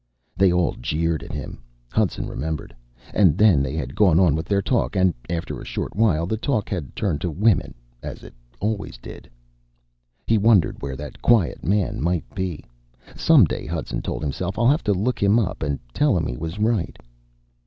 They all jeered at him, Hudson remembered, and then had gone on with their talk. And after a short while, the talk had turned to women, as it always did. He wondered where that quiet man might be. Some day, Hudson told himself, I'll have to look him up and tell him he was right.